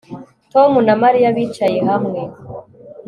Tom na Mariya bicaye hamwe